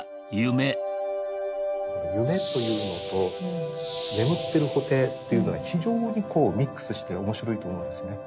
夢というのと眠ってる布袋というのが非常にミックスして面白いと思うんですね。